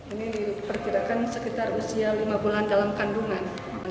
ini diperkirakan sekitar usia lima bulan dalam kandungan